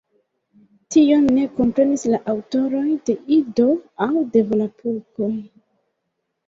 Tion ne komprenis la aŭtoroj de Ido aŭ de Volapuko.